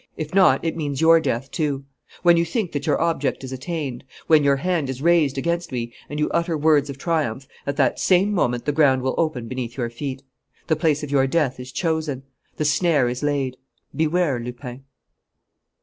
If not, it means your death, too. When you think that your object is attained, when your hand is raised against me and you utter words of triumph, at that same moment the ground will open beneath your feet. The place of your death is chosen. The snare is laid. Beware, Lupin."